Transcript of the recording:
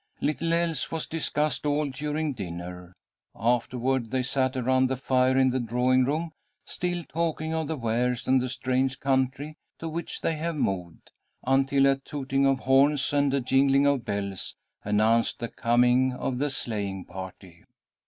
Little else was discussed all during dinner. Afterward they sat around the fire in the drawing room, still talking of the Wares and the strange country to which they had moved, until a tooting of horns and a jingling of bells announced the coming of the sleighing party.